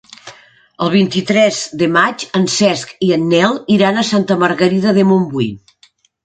El vint-i-tres de maig en Cesc i en Nel iran a Santa Margarida de Montbui.